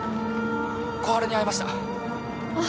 ☎小春に会えましたあっ